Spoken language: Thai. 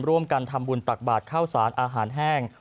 ร่วมกันทำบุญตักบาทข้าวสารอาหารแห้ง